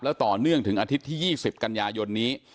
ต่อเนื่องถึงอาทิตย์ที่๒๐กันยายนนี้